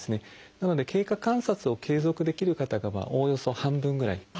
なので経過観察を継続できる方がおおよそ半分ぐらい。